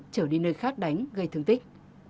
trở đi nơi khác đánh gây thương tích